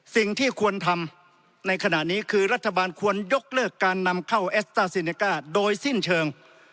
สิ่งที่ควรทำในขณะนี้คือรัฐบาลควรยกเลิกการนำเข้าแอสต้าซีเนก้าโดยสิ้นเชิง